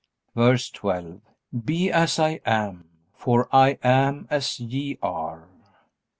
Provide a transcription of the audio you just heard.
VERSE 12. Be as I am; for I am as ye are.